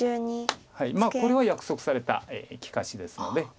まあこれは約束された利かしですので。